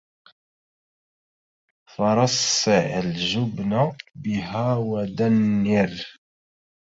فرصِّع الجُبنَ بها ودَنِّرِ